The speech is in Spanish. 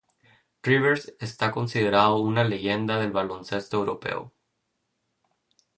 Rivers está considerado una leyenda del baloncesto europeo.